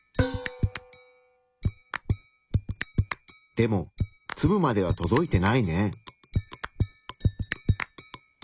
でもツブまでは届いてないね。